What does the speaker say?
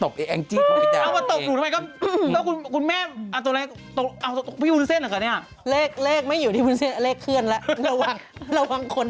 บางคนที่เขียวข้อง